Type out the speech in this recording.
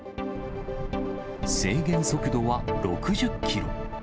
制限速度は６０キロ。